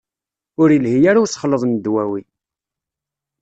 Ur ilhi ara usexleḍ n ddwawi.